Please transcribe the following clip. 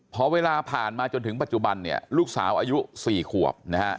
พอเวลาผ่านมาจนถึงปัจจุบันเนี่ยลูกสาวอายุ๔ขวบนะฮะ